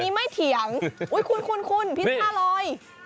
อันนี้ไม่เถียงคุณพิซซ่าอร่อย